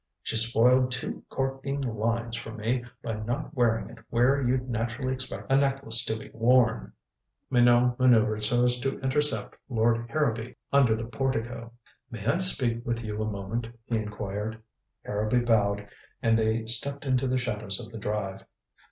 She spoiled two corking lines for me by not wearing it where you'd naturally expect a necklace to be worn." Minot maneuvered so as to intercept Lord Harrowby under the portico. "May I speak with you a moment?" he inquired. Harrowby bowed, and they stepped into the shadows of the drive.